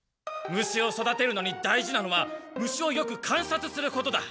虫を育てるのに大事なのは虫をよくかんさつすることだ。